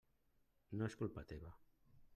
No és culpa teva.